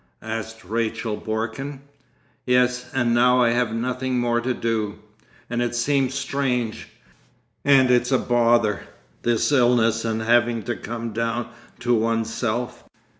asked Rachel Borken. 'Yes. And now I have nothing more to do—and it seems strange.... And it's a bother, this illness and having to come down to oneself.